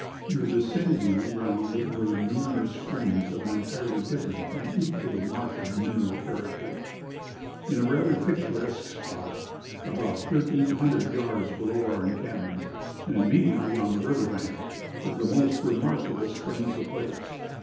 In the vicinity round about were numerous springs of an entirely different and equally marked mineral character. In a rather picturesque spot, about 1,300 yards below our encampment, and immediately on the river bank, is the most remarkable spring of the place.